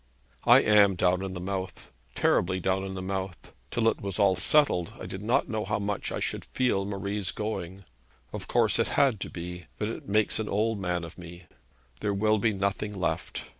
'I am down in the mouth, terribly down in the mouth. Till it was all settled, I did not know how much I should feel Marie's going. Of course it had to be, but it makes an old man of me. There will be nothing left.